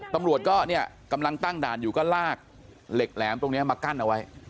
ตำรวจก็เนี่ยกำลังตั้งด่านอยู่ก็ลากเหล็กแหลมตรงนี้มากั้นเอาไว้